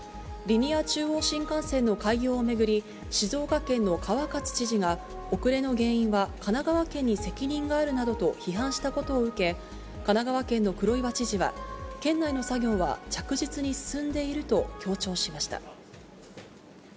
リニア中央新幹線の開業を巡り、静岡県の川勝知事が、遅れの原因は神奈川県に責任があるなどと批判したことを受け、神奈川県の黒岩知事は、県内の作業は着実に進んでいると強調しました。